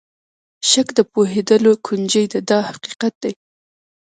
شک د پوهېدلو کونجۍ ده دا حقیقت دی.